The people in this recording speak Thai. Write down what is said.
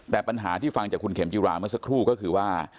แต่ปัญหาที่ฟังจากคุณเข็มจิราเมื่อสักครู่ก็คือว่า